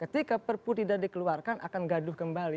ketika perpu tidak dikeluarkan akan gaduh kembali